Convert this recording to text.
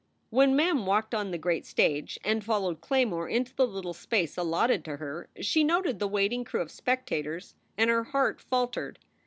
When Mem walked on the great stage and followed Clay more into the little space allotted to her, she noted the waiting crew of spectators and her heart faltered.